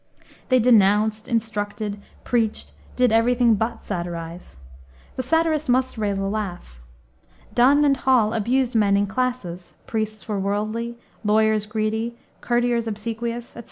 They denounced, instructed, preached, did every thing but satirize. The satirist must raise a laugh. Donne and Hall abused men in classes: priests were worldly, lawyers greedy, courtiers obsequious, etc.